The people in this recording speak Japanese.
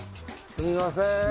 すみません。